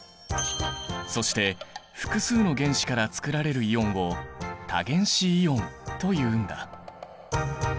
そして複数の原子からつくられるイオンを多原子イオンというんだ。